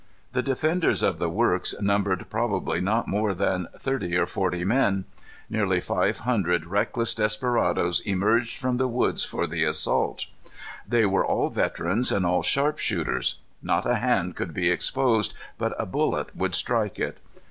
The defenders of the works numbered probably not more than thirty or forty men. Nearly five hundred reckless desperadoes emerged from the woods for the assault. They were all veterans, and all sharpshooters. Not a hand could be exposed but a bullet would strike it.